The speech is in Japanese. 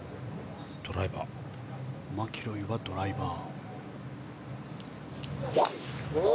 そしてマキロイはドライバー。